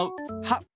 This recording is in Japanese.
はっ！